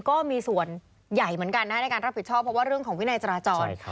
ก็มีส่วนใหญ่เหมือนกันนะในการรับผิดชอบเพราะว่าเรื่องของวินัยจราจร